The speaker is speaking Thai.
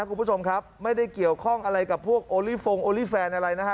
คุณผู้ชมครับไม่ได้เกี่ยวข้องอะไรกับพวกโอลี่ฟงโอลี่แฟนอะไรนะฮะ